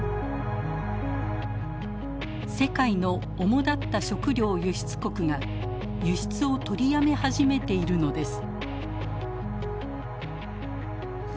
世界のおもだった食料輸出国が輸出をとりやめ始めているのです。